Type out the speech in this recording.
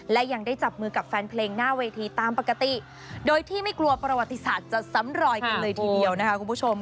และยังได้จับมือกับแฟนเพลงหน้าเวทีตามปกติโดยที่ไม่กลัวประวัติศาสตร์จะซ้ำรอยกันเลยทีเดียวนะคะคุณผู้ชม